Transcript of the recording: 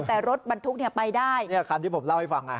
แต่รถบรรทุกเนี่ยไปได้เนี่ยคันที่ผมเล่าให้ฟังไง